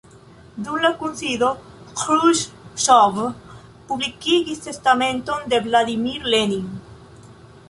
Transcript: Dum la kunsido, Ĥruŝĉov publikigis testamenton de Vladimir Lenin.